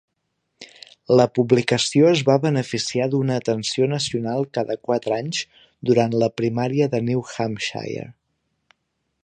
La publicació es va beneficiar d'una atenció nacional cada quatre anys durant la primària de New Hampshire.